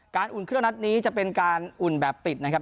อุ่นเครื่องนัดนี้จะเป็นการอุ่นแบบปิดนะครับ